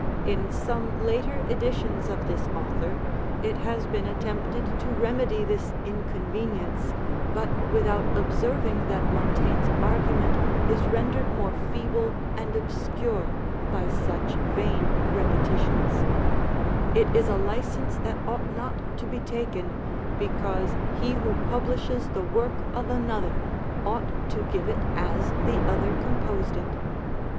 In some later editions of this author, it has been attempted to remedy this inconvenience, but without observing that Montaigne's argument is rendered more feeble and obscure by such vain repetitions: it is a licence that ought not to be taken, because he who publishes the work of another, ought to give it as the other composed ft.